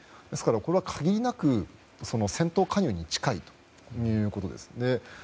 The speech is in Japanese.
ですから、これは限りなく戦闘加入に近いということです。